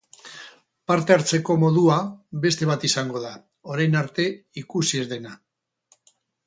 Parte hartzeko modua beste bat izango da, orain arte ikusi ez dena.